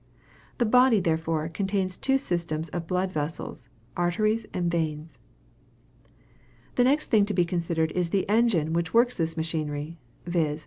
The body, therefore, contains two systems of blood vessels, arteries and veins. "The next thing to be considered is the engine which works this machinery, viz.